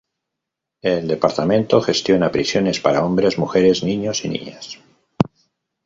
El departamento gestiona prisiones para hombres, mujeres, niños, y niñas.